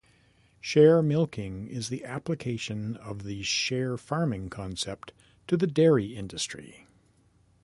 Sharemilking is the application of the sharefarming concept to the dairy industry.